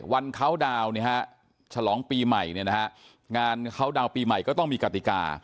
เคาน์ดาวนฉลองปีใหม่งานเขาดาวน์ปีใหม่ก็ต้องมีกติกา